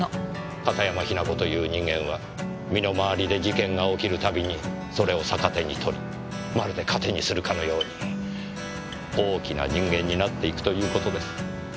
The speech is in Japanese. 片山雛子という人間は身の回りで事件が起きるたびにそれを逆手に取りまるで糧にするかのように大きな人間になっていくという事です。